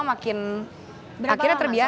tunggu playing comikernya mana yang terakhir lah